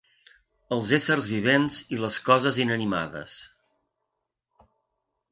Els éssers vivents i les coses inanimades.